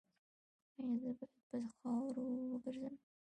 ایا زه باید په خاورو وګرځم؟